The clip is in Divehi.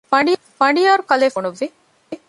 ފަނޑިޔާރު ކަލޭފާނު ބުނުއްވި